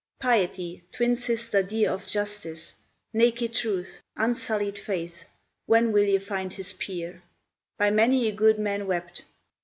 Piety, twin sister dear Of Justice! naked Truth! unsullied Faith! When will ye find his peer? By many a good man wept.